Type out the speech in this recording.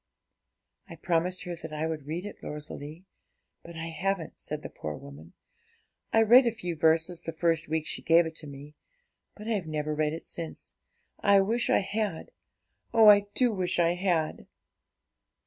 'I promised her that I would read it, Rosalie; but I haven't,' said the poor woman. 'I read a few verses the first week she gave it to me, but I've never read it since. I wish I had oh, I do wish I had!'